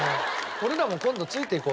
俺らも今度ついていこうよ。